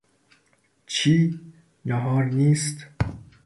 چی! ناهار نیست!